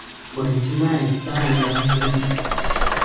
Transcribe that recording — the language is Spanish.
Por encima está el gran salón.